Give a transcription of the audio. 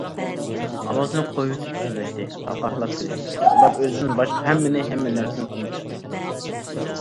ئاۋازىنى قويۇۋېتىپ سۆزلەشتى، قاقاھلاپ كۈلۈشتى... ئۇلار ئۆزىدىن باشقا ھەممىنى، ھەممە نەرسىنى ئۇنتۇشتى.